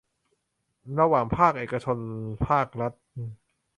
ระหว่างภาคเอกชนภาครัฐ